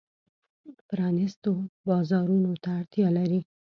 پرانیستو بازارونو ته اړتیا لري.